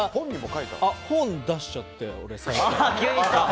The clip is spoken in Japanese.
本、出しちゃって。